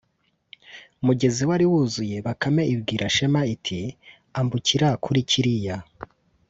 mugezi wari wuzuye. Bakame ibwira Shema iti: “Ambukira kuri kiriya